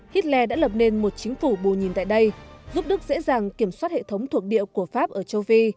hitler đã lập nên một chính phủ bù nhìn tại đây giúp đức dễ dàng kiểm soát hệ thống thuộc địa của pháp ở châu phi